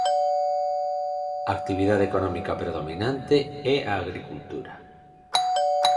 A actividade económica predominante é a agricultura.